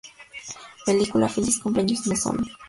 La Película: ¡Feliz Cumpleaños Nozomi!